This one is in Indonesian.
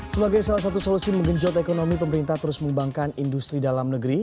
sebagai salah satu solusi menggenjot ekonomi pemerintah terus mengembangkan industri dalam negeri